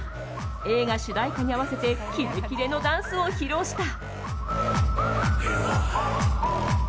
映画主題歌に合わせてキレキレのダンスを披露した。